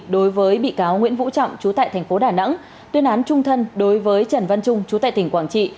đối với bị cáo nguyễn vũ trọng chú tại tp đà nẵng tuyên án trung thân đối với trần văn trung chú tại tp quảng trị